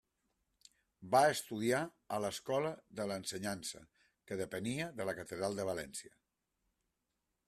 Va estudiar a l'escola de l'Ensenyança, que depenia de la Catedral de València.